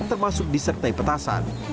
termasuk disertai petasan